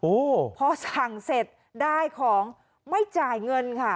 โอ้โหพอสั่งเสร็จได้ของไม่จ่ายเงินค่ะ